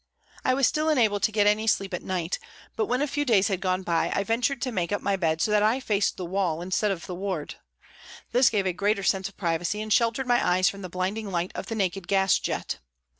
I still was unable to get any sleep at night, but when a few days had gone by I ventured to make up my bed so that I faced the wall instead of the ward. This gave a greater sense of privacy and sheltered my eyes from the blinding light of the naked gas jet.